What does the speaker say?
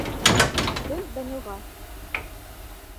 Наҙгөл Данилға: